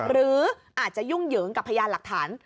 หรืออาจจะยุ่งเหยิงกับพยานหลักฐาน